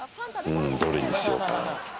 どれにしようか？